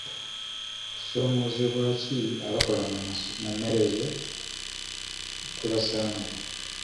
Kusoomoozebwa ki abakola mu mmerezo kwe basanga?